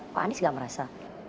pak andies tidak merasa